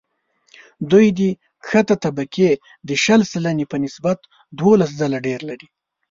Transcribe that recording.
دوی د کښتې طبقې د شل سلنې په نسبت دوولس ځله ډېر لري